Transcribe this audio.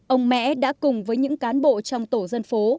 ông mẽ đã cùng với những cán bộ trong tổ dân phố